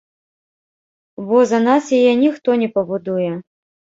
Бо за нас яе ніхто не пабудуе.